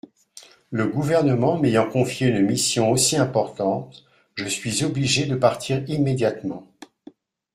Le gouvernement m'ayant confié une mission aussi importante, je suis obligé de partir immédiatement.